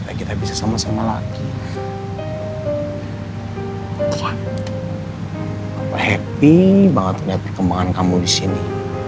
lo habis sama aku sekarang disini